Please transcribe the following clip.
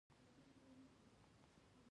د فرعي جغل طبقه دوه سوه ملي متره ضخامت لري